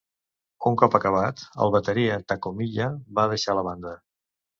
Un cop acabat, el bateria Takumiya va deixar la banda.